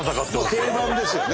もう定番ですよね。